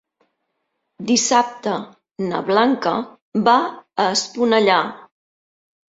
Dissabte na Blanca va a Esponellà.